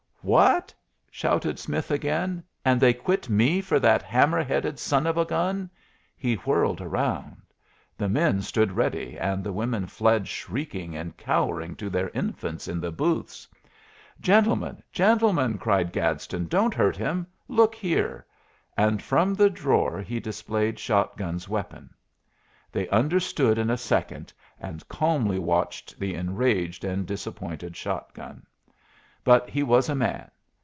"What!" shouted Smith again; "and they quit me for that hammer headed son of a gun?" He whirled around. The men stood ready, and the women fled shrieking and cowering to their infants in the booths. "Gentlemen! Gentlemen!" cried Gadsden, "don't hurt him! Look here!" And from the drawer he displayed Shot gun's weapon. They understood in a second, and calmly watched the enraged and disappointed Shot gun. But he was a man.